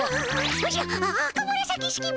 おじゃあ赤紫式部。